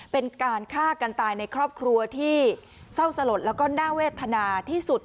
เป็นการฆ่ากันตายในครอบครัวที่เศร้าสลดแล้วก็น่าเวทนาที่สุด